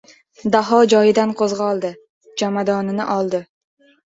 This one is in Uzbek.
Daho joyidan qo‘zg‘oldi. Jomadonini oldi.